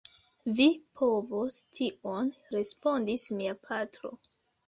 Vi povos tion, respondis mia patro.